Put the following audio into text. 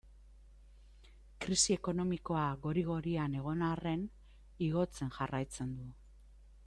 Krisi ekonomikoa gori-gorian egon arren igotzen jarraitzen du.